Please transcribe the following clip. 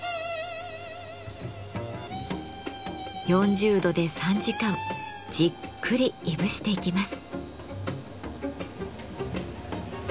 ４０度で３時間じっくりいぶしていきます。